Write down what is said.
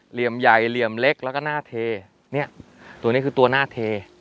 เหลี่ยมใหญ่เหลี่ยมเล็กแล้วก็หน้าเทเนี่ยตัวนี้คือตัวหน้าเท